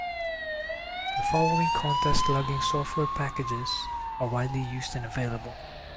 The following contest logging software packages are widely used and available.